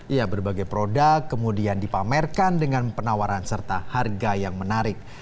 ya berbagai produk kemudian dipamerkan dengan penawaran serta harga yang menarik